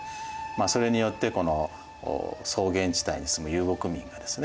それによってこの草原地帯に住む遊牧民がですね